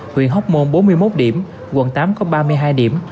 huyện hóc môn bốn mươi một điểm quận tám có ba mươi hai điểm